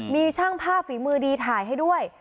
มีช่างภาพฝีมือดีถ่ายให้ด้วย